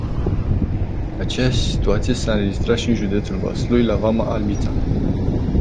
Aceeași situație s-a înregistrat și în județul Vaslui, la vama Albița.